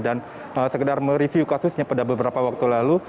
dan sekedar mereview kasusnya pada beberapa waktu lalu